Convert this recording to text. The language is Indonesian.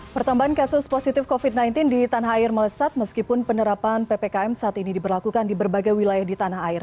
pertambahan kasus positif covid sembilan belas di tanah air melesat meskipun penerapan ppkm saat ini diberlakukan di berbagai wilayah di tanah air